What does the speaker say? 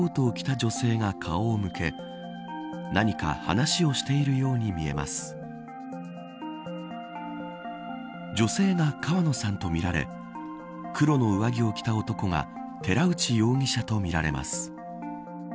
女性が川野さんとみられ黒の上着を着た男が寺内容疑者とみられます。